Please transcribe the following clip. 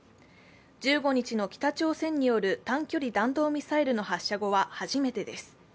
１５日の北朝鮮による短距離弾道ミサイルの発射後は初めてです。